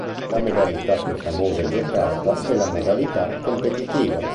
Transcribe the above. La modalità più famosa e giocata è la modalità competitiva.